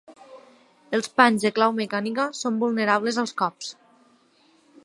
Els panys de clau mecànica són vulnerables als cops.